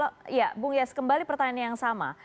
oke bung yas kembali pertanyaan yang sama